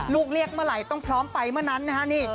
เรียกเมื่อไหร่ต้องพร้อมไปเมื่อนั้นนะฮะนี่